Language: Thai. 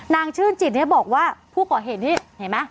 นางชื่นจิตเนี่ยบอกว่าผู้ก่อเหตุนี่เห็นไหม